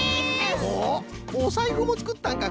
おっおさいふもつくったんか！